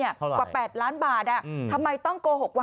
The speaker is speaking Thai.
กว่า๘ล้านบาททำไมต้องโกหกว่า